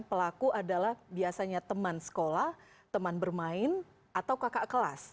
pelaku adalah biasanya teman sekolah teman bermain atau kakak kelas